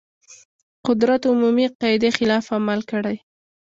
قدرت عمومي قاعدې خلاف عمل کړی.